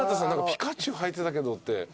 ピカチュウはいてたけどって。